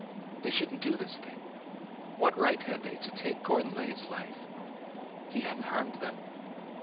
They should n't do this thing ! What right had they to take Gordon Lay's life ? He had n't harmed them.